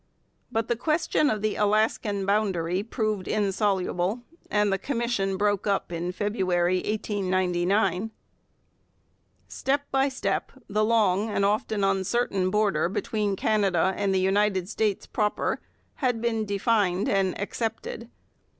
But the question of the Alaskan boundary proved insoluble, and the Commission broke up in February 1899. Step by step the long and often uncertain border between Canada and the United States proper had been defined and accepted.